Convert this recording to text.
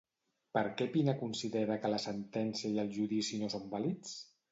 Per què Pina considera que la sentència i el judici no són vàlids?